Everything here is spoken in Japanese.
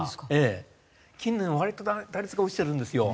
近年割と打率が落ちてるんですよ。